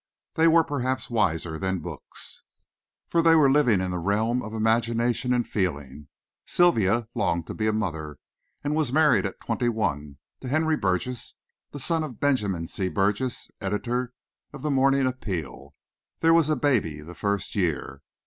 They were perhaps wiser than books, for they were living in the realm of imagination and feeling. Sylvia longed to be a mother, and was married at twenty one to Henry Burgess, the son of Benjamin C. Burgess, editor of the Morning Appeal. There was a baby the first year.